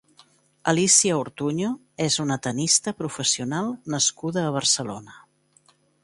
Alicia Ortuño és una tennista professional nascuda a Barcelona.